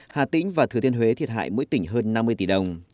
hà tĩnh và thừa thiên huế thiệt hại mỗi tỉnh hơn năm mươi tỷ đồng